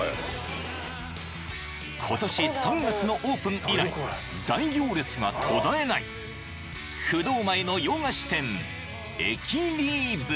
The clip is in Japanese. ［今年３月のオープン以来大行列が途絶えない不動前の洋菓子店］